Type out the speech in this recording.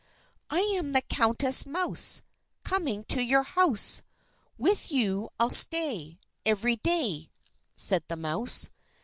"I am the Countess Mouse Coming to your house; With you I'll stay Every day," said the mouse.